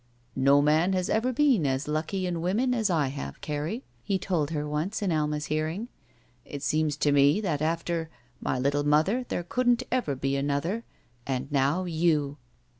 "No man has ever been as lucky in women as I have, Carrie," he told her once in Alma's hearing. "It seemed to me that after — my little mother there couldn't ever be another — and now you!"